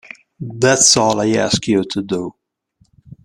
That's all I ask you to do.